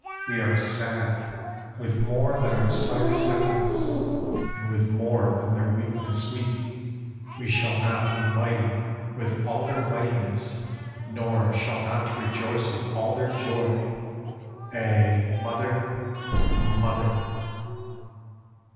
We are sad With more than our sires' heaviness, and with More than their weakness weak; we shall not be Mighty with all their mightiness, nor shall not Rejoice with all their joy. Ay, Mother! Mother!